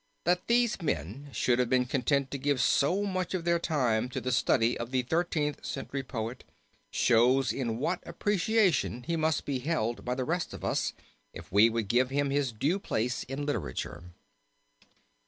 That these men should have been content to give so much of their time to the study of the Thirteenth Century poet shows in what appreciation he must be held by the rest of us if we would give him his due place in literature.